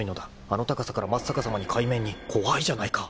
［あの高さから真っ逆さまに海面に怖いじゃないか！］